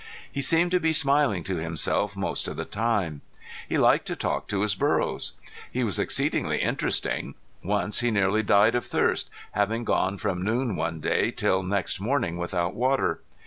He seemed to be smiling to himself most of the time. He liked to talk to his burros. He was exceedingly interesting. Once he nearly died of thirst, having gone from noon one day till next morning without water.